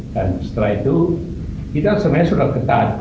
dan setelah itu kita sebenarnya sudah ketat